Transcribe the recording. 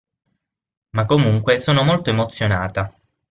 Ma comunque, sono molto emozionata.